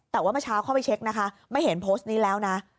แต่ว่าเมื่อเช้าเข้าไปเช็คนะคะไม่เห็นโพสต์นี้แล้วนะ